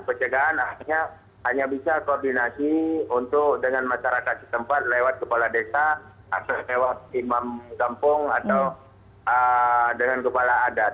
pencegahan akhirnya hanya bisa koordinasi untuk dengan masyarakat setempat lewat kepala desa atau lewat imam kampung atau dengan kepala adat